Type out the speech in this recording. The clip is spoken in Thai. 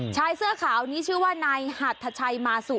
ชายเสื้อขาวนี้ชื่อว่านายหัดทชัยมาสุ